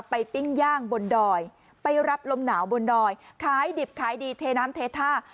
ปิ้งย่างบนดอยไปรับลมหนาวบนดอยขายดิบขายดีเทน้ำเทท่า